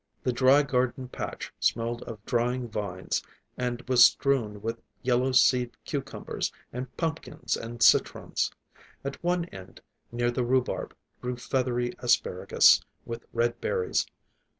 The dry garden patch smelled of drying vines and was strewn with yellow seed cucumbers and pumpkins and citrons. At one end, next the rhubarb, grew feathery asparagus, with red berries.